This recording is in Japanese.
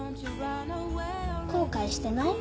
後悔してない？